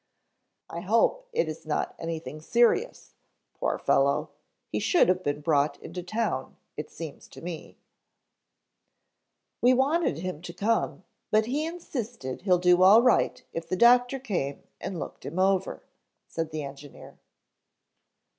"I hope it is not anything serious, poor fellow. He should have been brought in to town, it seems to me." "We wanted him to come, but he insisted he'd do all right if the doctor came and looked him over," said the engineer.